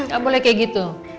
gak boleh kayak gitu